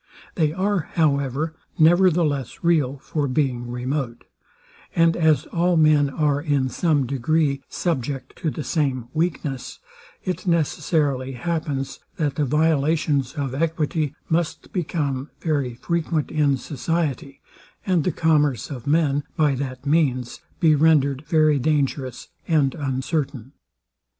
They are, however, never the less real for being remote; and as all men are, in some degree, subject to the same weakness, it necessarily happens, that the violations of equity must become very frequent in society, and the commerce of men, by that means, be rendered very dangerous and uncertain.